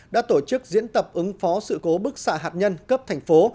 đã tổ chức diễn tập ứng phó sự cố bức xạ hạt nhân cấp thành phố